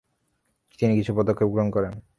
তিনি কিছু পদক্ষেপ গ্রহণ করেন।